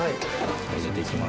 入れていきます